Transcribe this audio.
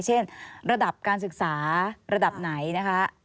เช่นระดับการศึกษาระดับไหนนะคะ